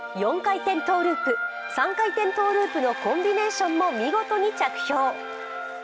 ４回転トゥループ３回転トゥループのコンビネーションも見事に着氷。